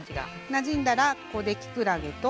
なじんだらここできくらげと。